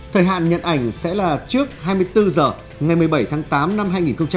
thời hạn nhận ảnh sẽ là trước hai mươi bốn h ngày một mươi bảy tháng tám năm hai nghìn hai mươi